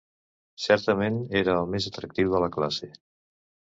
Certament, era el més atractiu de la classe.